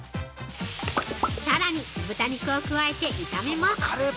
◆さらに、豚肉を加えて炒めます。